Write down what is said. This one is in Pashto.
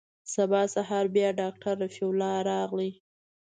سبا سهار بيا ډاکتر رفيع الله راغى.